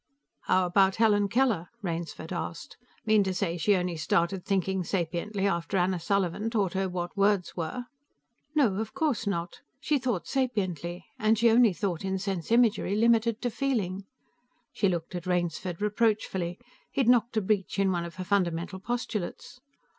"How about Helen Keller?" Rainsford asked. "Mean to say she only started thinking sapiently after Anna Sullivan taught her what words were?" "No, of course not. She thought sapiently And she only thought in sense imagery limited to feeling." She looked at Rainsford reproachfully; he'd knocked a breach in one of her fundamental postulates.